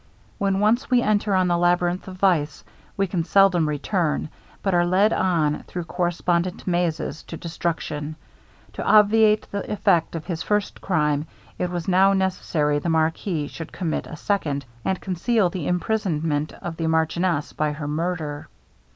When once we enter on the ladyrinth of vice, we can seldom return, but are led on, through correspondent mazes, to destruction. To obviate the effect of his first crime, it was now necessary the marquis should commit a second, and conceal the imprisonment of the marchioness by her murder.